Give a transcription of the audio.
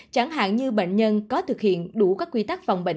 chẳng hạn như bệnh nhân có thực hiện đủ các quy tắc phòng bệnh